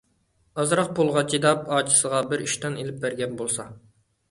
ئازراق پۇلغا چىداپ ئاچىسىغا بىر ئىشتان ئېلىپ بەرگەن بولسا.